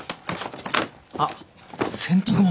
あっ洗濯物。